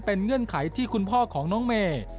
เป็นเงื่อนไขที่คุณพ่อของน้องเมย์